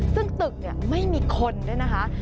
ซึ่งตึกเนี่ยไม่มีคนด้วยนะคะ